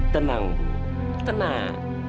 tenang ibu tenang